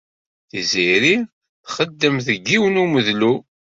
Tiziri txeddem deg yiwen n umedlu.